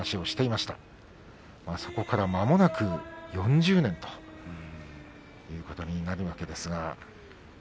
そこからまもなく４０年ということになるわけですが。